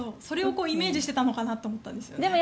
それをイメージしてたのかなと思うんですけど。